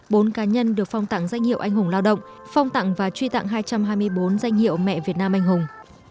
bốn cá nhân được phong tặng danh hiệu anh hùng lao động phong tặng và truy tặng hai trăm hai mươi bốn danh hiệu mẹ việt nam anh hùng